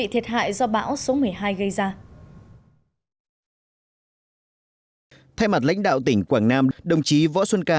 thay mặt lãnh đạo tỉnh quảng nam đồng chí võ xuân ca